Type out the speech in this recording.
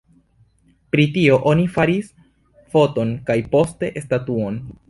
Pri tio oni faris foton kaj poste statuon.